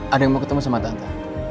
ada yang mau ketemu sama tante